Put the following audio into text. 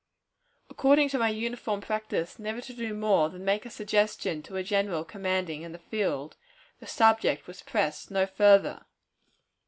According to my uniform practice never to do more than to make a suggestion to a general commanding in the field, the subject was pressed no further.